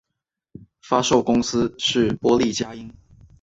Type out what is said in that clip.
发售公司是波丽佳音。